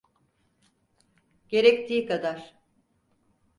Gerektiği kadar.